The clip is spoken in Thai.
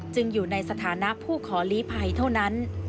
อยู่ในสถานะผู้ขอลีภัยเท่านั้น